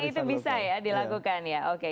itu bisa ya dilakukan ya oke